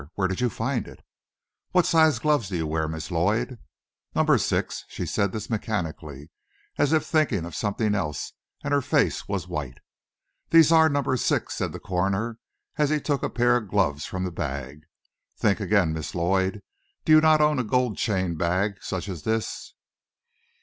Where did you find it?" "What size gloves do you wear, Miss Lloyd?" "Number six." She said this mechanically, as if thinking of something else, and her face was white. "These are number six," said the coroner, as he took a pair of gloves from the bag. "Think again, Miss Lloyd. Do you not own a gold chain bag, such as this?"